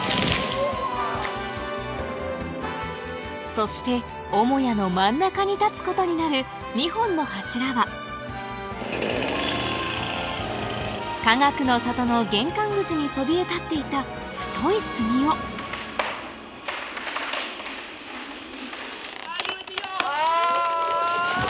そして母屋の真ん中に立つことになる２本の柱はかがくの里の玄関口にそびえ立っていた太い杉を・あ！